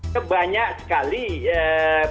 sebanyak sekali beberapa produk